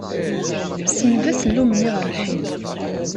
Senned asellum-nni ɣer lḥiḍ.